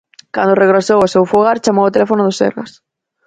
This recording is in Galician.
Cando regresou ao seu fogar chamou ao teléfono do Sergas.